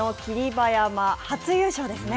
馬山初優勝ですね